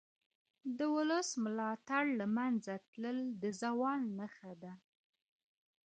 د ولس ملاتړ له منځه تلل د زوال نښه ده